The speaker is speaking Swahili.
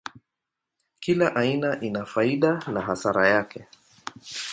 Kila aina ina faida na hasara yake.